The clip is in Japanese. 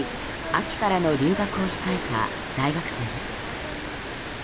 秋からの留学を控えた大学生です。